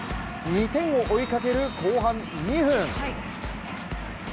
２点を追いかける後半２分。